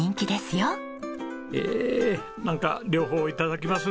ええなんか両方頂きます。